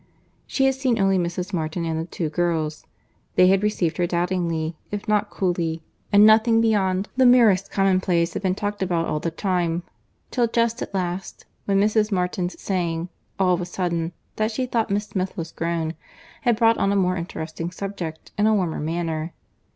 She had seen only Mrs. Martin and the two girls. They had received her doubtingly, if not coolly; and nothing beyond the merest commonplace had been talked almost all the time—till just at last, when Mrs. Martin's saying, all of a sudden, that she thought Miss Smith was grown, had brought on a more interesting subject, and a warmer manner.